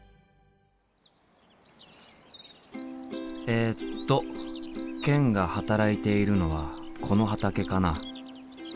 えっとケンが働いているのはこの畑かな？